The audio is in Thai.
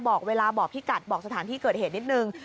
เบาะเวลาเบาะพิกัดเบาะสถานที่เกิดเหตุนิดหนึ่ง